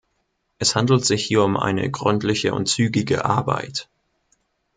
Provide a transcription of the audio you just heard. Es handelt sich hier um eine gründliche und zügige Arbeit.